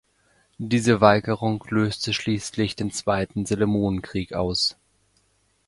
Diese Weigerung löste schließlich den zweiten Seminolenkrieg aus.